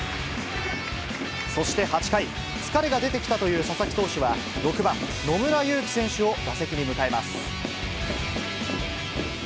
そして８回、疲れが出てきたという佐々木投手は、６番野村佑希選手を打席に迎えます。